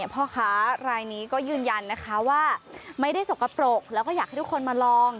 พ่อค้ารายนี้ก็ยืนยันนะคะว่าไม่ได้สกปรกแล้วก็อยากให้ทุกคนมาลอง